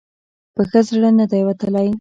په ښه زړه نه دی وتلی.